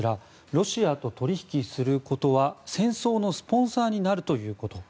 ロシアと取り引きすることは戦争のスポンサーになるということ。